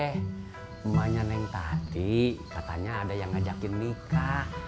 emaknya tadi katanya ada yang ngajakin nikah